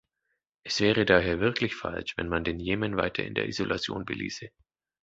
Es wäre daher wirklich falsch, wenn man den Jemen weiter in der Isolation beließe.